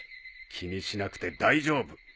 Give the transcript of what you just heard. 気にしなくて大丈夫。